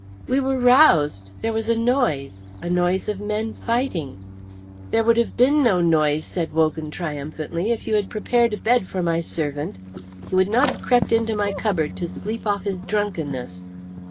"We were roused there was a noise a noise of men fighting." "There would have been no noise," said Wogan, triumphantly, "if you had prepared a bed for my servant. He would not have crept into my cupboard to sleep off his drunkenness."